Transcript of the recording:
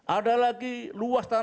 ada lagi luasnya lima ribu meter